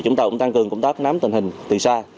chúng ta cũng tăng cường công tác nắm tình hình từ xa